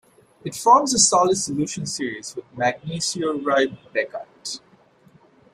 It forms a solid solution series with magnesioriebeckite.